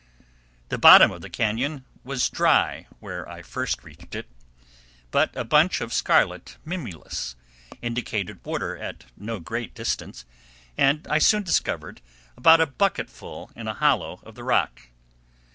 The bottom of the cañon was dry where I first reached it, but a bunch of scarlet mimulus indicated water at no great distance, and I soon discovered about a bucketful in a hollow of the rock.